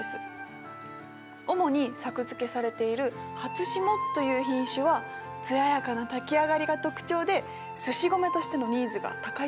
主に作付けされているハツシモという品種は艶やかな炊き上がりが特徴ですし米としてのニーズが高いそうです。